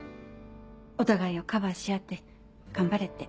「お互いをカバーし合って頑張れ」って。